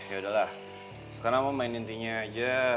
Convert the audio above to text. yaudahlah sekarang mau main intinya aja